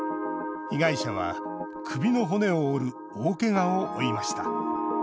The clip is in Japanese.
被害者は首の骨を折る大けがを負いました。